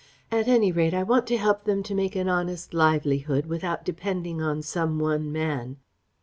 At any rate I want to help them to make an honest livelihood without depending on some one man....